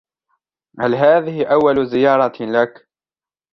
هل هذه أول زيارة لك ؟